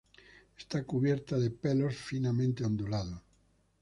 Está cubierta de pelos finamente ondulados.